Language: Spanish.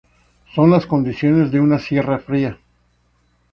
Son las condiciones de una Sierra fría.